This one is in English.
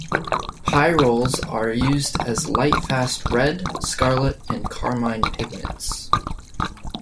Pyrroles are used as lightfast red, scarlet, and carmine pigments.